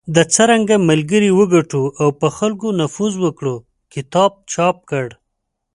د"څرنګه ملګري وګټو او په خلکو نفوذ وکړو" کتاب چاپ کړ .